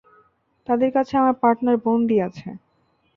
তাদের কাছে আমার পার্টনার বন্দী আছে।